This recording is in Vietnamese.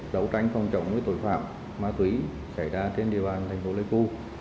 đấu tranh phong trọng với tội phạm ma túy xảy ra trên địa bàn thành phố lê cưu